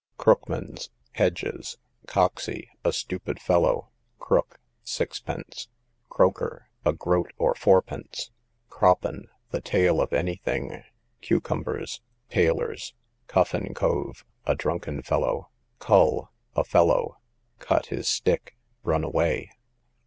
Crookmans, hedges. Coxy, a stupid fellow. Crook, sixpence. Croker, a groat, or fourpence. Croppen, the tail of any thing. Cucumbers, tailors. Cuffin cove, a drunken fellow. Cull, a fellow. Cut his stick, run away.